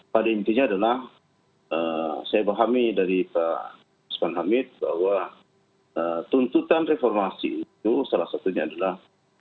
pada intinya adalah saya pahami dari pak usman hamid bahwa tuntutan reformasi itu salah satunya adalah